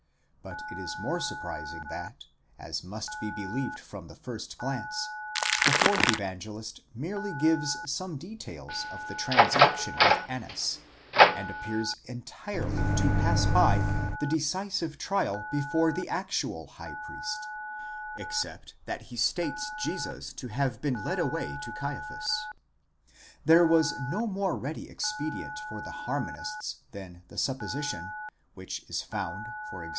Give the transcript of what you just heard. But it is more surprising that, as must be believed from the first glance, the fourth Evangelist merely gives some details of the transaction with Annas, and appears entirely to pass by the decisive trial before the actual high priest, except that he states Jesus to have been led away to Caiaphas. 'There was no more ready expedient for the harmonists than the supposition, which is found e.g.